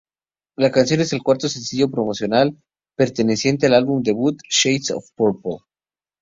La canción es el cuarto sencillo promocional perteneciente al álbum debut Shades of Purple.